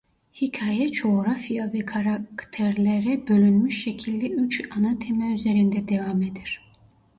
Hikâye coğrafya ve karakterlere bölünmüş şekilde üç ana tema üzerinde devam eder.